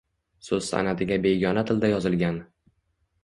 So‘z san’atiga begona tilda yozilgan.